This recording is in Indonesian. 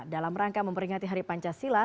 dalam rangka memperingati hari pancasila